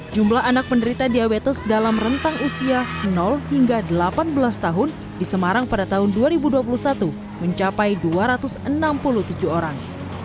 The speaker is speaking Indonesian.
jumlah anak penderita diabetes dalam rentang usia hingga delapan belas tahun di semarang pada tahun dua ribu dua puluh satu mencapai dua ratus enam puluh tujuh orang